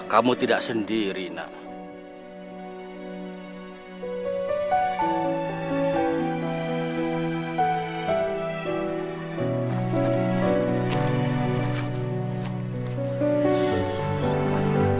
kamu tidak sendiri nak